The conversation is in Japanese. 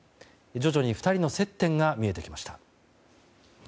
徐々に２人の接点が見えてきました。